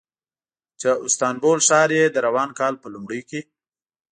چې د استانبول ښار یې د روان کال په لومړیو کې